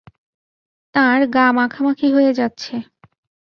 তাঁর গা মাখামাখি হয়ে যাচ্ছে।